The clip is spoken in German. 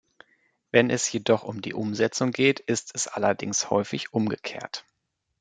Wenn es jedoch um die Umsetzung geht, ist es allerdings häufig umgekehrt.